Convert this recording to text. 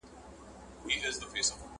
نو تربيه او تعليم ئې هم پر مور واجب دی.